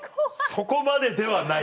そこまでではない。